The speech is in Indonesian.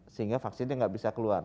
sehingga vaksinnya nggak bisa keluar